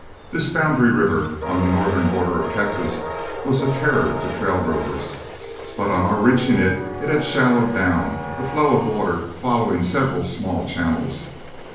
This boundary river on the northern border of Texas was a terror to trail drovers, but on our reaching it, it had shallowed down, the flow of water following several small channels.